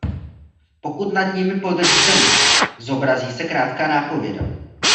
Pokud nad nimi podržíte myš, zobrazí se krátká nápověda.